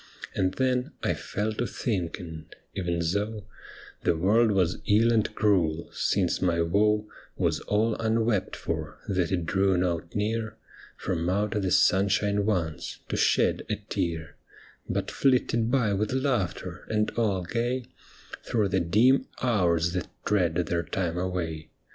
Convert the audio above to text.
And then I fell to thinking, even so The world was ill and cruel, since my woe Was all unwept for, that it drew not near From out the sunshine once, to shed a tear, But flitted by with laughter, and all gay, Through the dim hours that tread their time away.